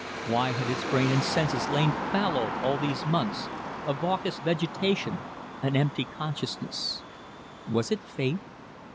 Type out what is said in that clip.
Why had his brain and senses lain fallow all these months, a vacuous vegetation, an empty consciousness? Was it fate?